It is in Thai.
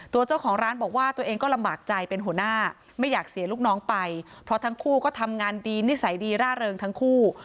ตัวเจ้าของร้านบอกว่าตัวเองก็ลำบากใจเป็นหัวหน้าไม่อยากเสียลูกน้องไปเพราะทั้งคู่ก็ทำงานดีนิสัยดีร่าเริงทั้งคู่